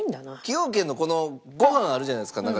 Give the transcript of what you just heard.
崎陽軒のこのご飯あるじゃないですか。